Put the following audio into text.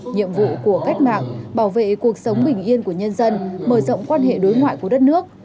nhiệm vụ của cách mạng bảo vệ cuộc sống bình yên của nhân dân mở rộng quan hệ đối ngoại của đất nước